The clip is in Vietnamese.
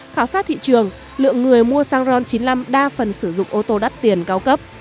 khảo sát thị trường lượng người mua xăng ron chín mươi năm đa phần sử dụng ô tô đắt tiền cao cấp